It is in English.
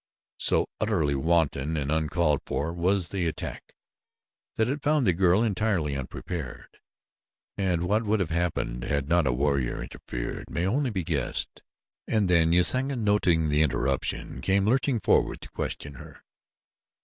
So utterly wanton and uncalled for was the attack that it found the girl entirely unprepared, and what would have happened had not a warrior interfered may only be guessed. And then Usanga, noting the interruption, came lurching forward to question her.